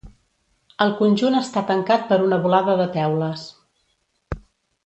El conjunt està tancat per una volada de teules.